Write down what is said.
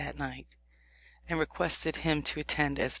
that night, and requested him to attend as best man.